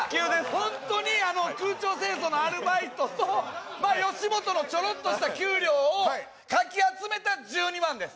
ホントに空調清掃のアルバイトと吉本のちょろっとした給料をかき集めた１２万です